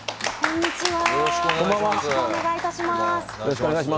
よろしくお願いします。